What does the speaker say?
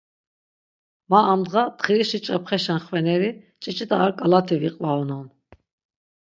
Ma amdğa txirişi ç̌epxeşen xveneri ç̌iç̌it̆a ar k̆alati viqvaunon.